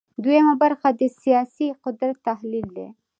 دویمه برخه د سیاسي قدرت تحلیل دی.